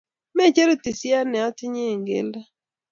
Macheru tisye ne ati ye eng' keldo